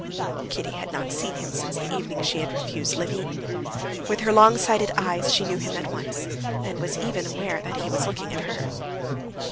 Kitty had not seen him since the evening she refused Levin. With her long sighted eyes, she knew him at once, and was even aware that he was looking at her.